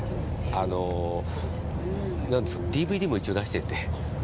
あのＤＶＤも一応出してて。